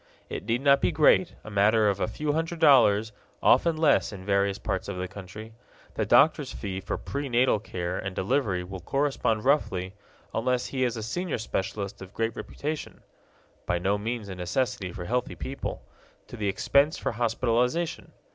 It need not be great a matter of a few hundred dollars, often less in various parts of the country. The doctor's fee for pre natal care and delivery will correspond roughly, unless he is a senior specialist of great reputation (by no means a necessity for healthy people), to the expense for hospitalization.